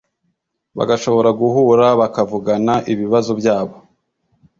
bagashobora guhura, bakavugana ibibazo byabo